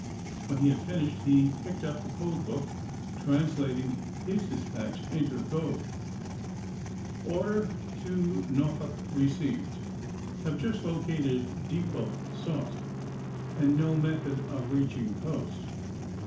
When he had finished he picked up the code book, translating his despatch into the code :*^ Order to Norfolk received. Have just lo cated depot sought, and know method of reach ing coast.